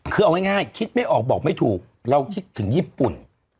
คือเอาง่ายคิดไม่ออกบอกไม่ถูกเราคิดถึงญี่ปุ่น